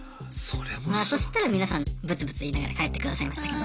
そしたら皆さんぶつぶつ言いながら帰ってくださいましたけど。